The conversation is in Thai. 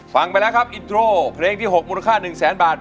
ฟังไปแล้วครับอินโทรเพลงที่๖มูลค่า๑แสนบาท